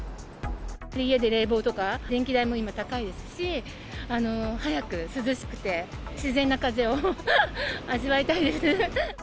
家で冷房とか、電気代も今、高いですし、早く涼しくて、自然な風を味わいたいです。